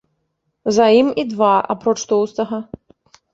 За ім і два, апроч тоўстага.